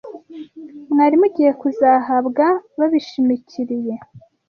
mwari mugiye kuzahabwa babishimikiriye